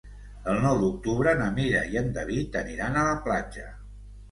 El nou d'octubre na Mira i en David aniran a la platja.